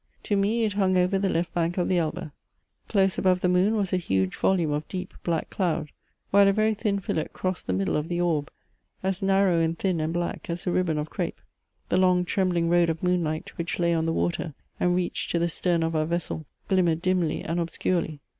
To me it hung over the left bank of the Elbe. Close above the moon was a huge volume of deep black cloud, while a very thin fillet crossed the middle of the orb, as narrow and thin and black as a ribbon of crape. The long trembling road of moonlight, which lay on the water and reached to the stern of our vessel, glimmered dimly and obscurely.